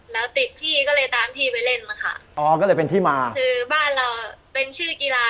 แล้วติดที่ก็เลยตามพี่ไปเล่นมาค่ะอ๋อก็เลยเป็นที่มาคือบ้านเราเป็นชื่อกีฬา